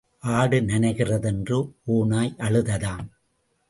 ஆடு நனைகிறதென்று ஓநாய் அழுததாம்.